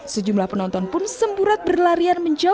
sejumlah penonton pun semburat berlarian menjauhnya